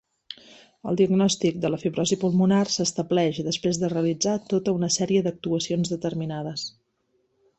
El diagnòstic de la fibrosi pulmonar s'estableix després de realitzar tota una sèrie d'actuacions determinades.